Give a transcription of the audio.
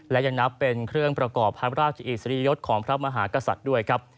และยังนับเป็นเครื่องประกอบพระราชอิสริยยศของพระมหากษัตริย์ด้วยครับ